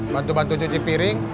bantu bantu cuci piring